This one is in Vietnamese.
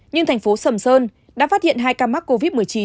nhưng thành phố sầm sơn đã phát hiện hai ca mắc covid một mươi chín